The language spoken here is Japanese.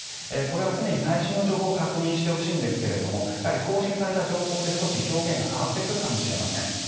これは常に最新の情報を確認してほしいんですが更新された情報で、少し表現が変わってくるかもしれません。